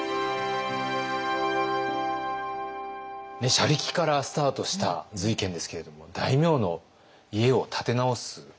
車力からスタートした瑞賢ですけれども大名の家を建て直すまでになった。